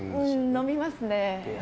飲みますね。